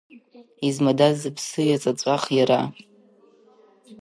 Измадаз зыԥсы иаҵаҵәах иара?